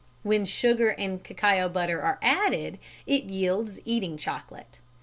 When sugar and cacao butter are added it yields eating chocolate.